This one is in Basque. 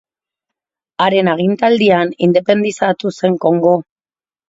Haren agintaldian independizatu zen Kongo.